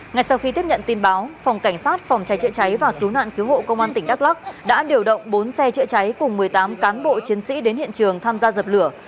ngay sau khi tiếp nhận tin báo phòng cảnh sát phòng cháy chữa cháy và cứu nạn cứu hộ công an tỉnh đắk lắc đã điều động bốn xe chữa cháy cùng một mươi tám cán bộ chiến sĩ đến hiện trường tham gia dập lửa